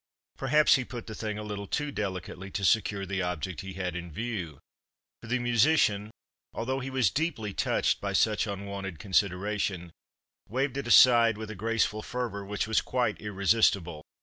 Perhaps he put the thing a little too delicately to secure the object he had in view, for the musician, although he was deeply touched by such unwonted consideration, waved it aside with a graceful fervour which was quite irresistible.